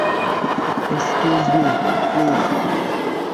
Excuse me, please.